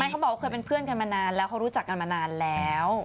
แม้เขาบอกว่าเมื่อเผื่อกันกันมานานแล้วเขารู้จักกันมานานแล้ว